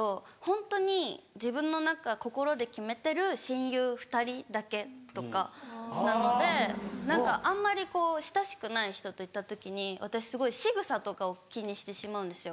ホントに自分の心で決めてる親友２人だけとかなので何かあんまりこう親しくない人と行った時に私すごいしぐさとかを気にしてしまうんですよ。